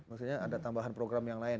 maksudnya ada tambahan program yang lain